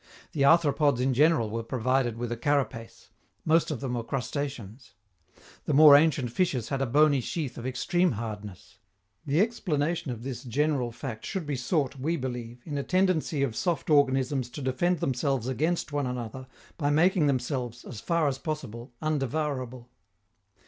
The arthropods in general were provided with a carapace; most of them were crustaceans. The more ancient fishes had a bony sheath of extreme hardness. The explanation of this general fact should be sought, we believe, in a tendency of soft organisms to defend themselves against one another by making themselves, as far as possible, undevourable.